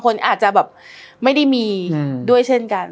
คนอาจจะแบบไม่ได้มีด้วยเช่นกัน